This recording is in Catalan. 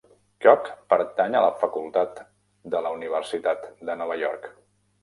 Keogh pertany a la facultat de la universitat de Nova York.